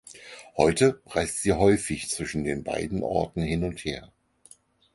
Heute reist sie häufig zwischen beiden Orten hin und her.